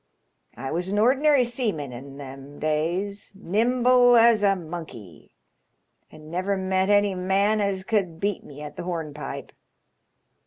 I was an ordinary seaman in them days, nimble as a monkey, and never met any man as could beat me at the hornpipe.